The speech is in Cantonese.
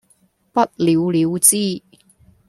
不了了之